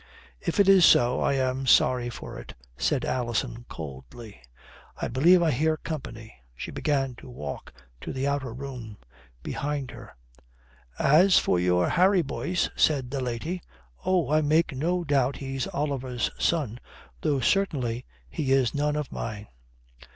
"If it is so, I am sorry for it," said Alison coldly, "I believe I hear company." She began to walk to the outer room. Behind her, "As for your Harry Boyce," said the lady, "oh, I make no doubt he's Oliver's son, though certainly he is none of mine."